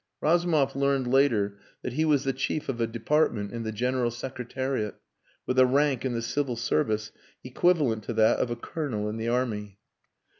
Razumov learned later that he was the chief of a department in the General Secretariat, with a rank in the civil service equivalent to that of a colonel in the army.